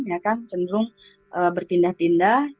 ya kan cenderung berpindah pindah